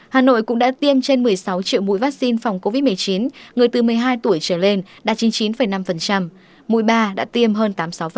hà nội cũng đã tiêm trên một mươi sáu triệu mũi vaccine phòng covid một mươi chín người từ một mươi hai tuổi trở lên đạt chín mươi chín năm mùi ba đã tiêm hơn tám mươi sáu